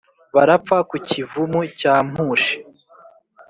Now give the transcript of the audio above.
Barapfa ku Kivumu cya Mpushi